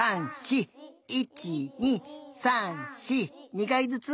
２かいずつ！